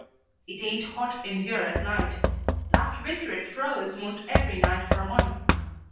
"It ain't hot in here at night. Last winter it froze 'most every night for a month.